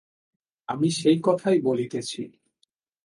আমি সেই কথাই বলিতেছি।